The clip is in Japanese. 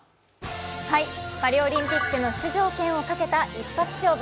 パリオリンピックの出場権をかけた一発勝負。